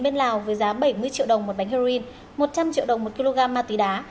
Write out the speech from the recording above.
bên lào với giá bảy mươi triệu đồng một bánh heroin một trăm linh triệu đồng một kg ma túy đá